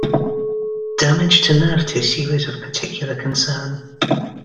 Damage to nerve tissue is of particular concern.